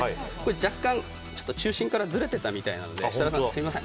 若干、中心からずれてたみたいなので設楽さんすみません。